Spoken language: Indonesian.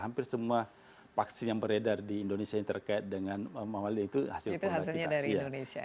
hampir semua vaksin yang beredar di indonesia yang terkait dengan mahal ini itu hasilnya dari indonesia